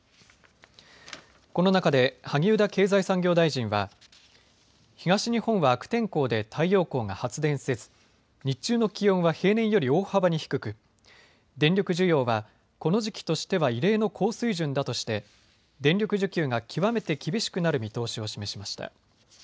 この中で萩生田経済産業大臣は東日本は悪天候で太陽光が発電せず日中の気温は平年より大幅に低く電力需要は、この時期としては異例の高水準だとして電力需給が極めて厳しくなる見通しを示しました。